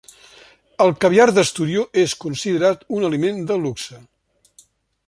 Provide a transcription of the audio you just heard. El caviar d'esturió és considerat un aliment de luxe.